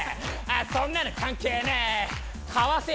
あそんなの関係ねぇ！